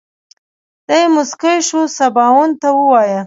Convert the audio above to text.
دی موسکی شو سباوون ته ووايه.